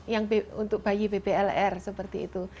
yang untuk bayi bblr seperti itu